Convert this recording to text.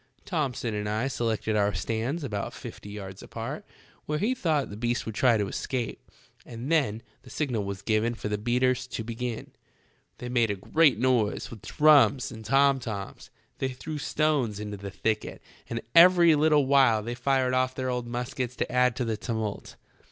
Thomson and I selected our stands about fifty yards apart, where we thought the beast would try to escape, and then the signal was given for the beaters to begin. They made a great noise with drums and tom toms, they threw stones into the thicket, and every little while they fired off their old muskets to add to the tumult.